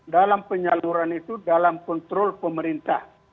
dalam penyaluran itu dalam kontrol pemerintah